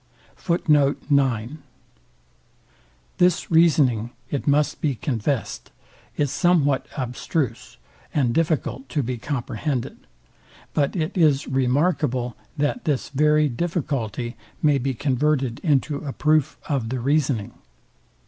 This reasoning, it must be confest, is somewhat abstruse, and difficult to be comprehended; but it is remarkable, that this very difficulty may be converted into a proof of the reasoning.